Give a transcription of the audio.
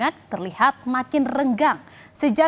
ya terima kasih pak asto